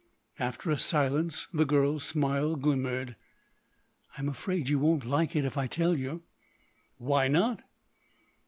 After a silence the girl's smile glimmered. "I'm afraid you won't like it if I tell you." "Why not?"